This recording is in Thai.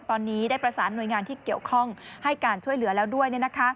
ตอนนี้ได้ประสานหน่วยงานที่เกี่ยวข้องให้การช่วยเหลือแล้วด้วย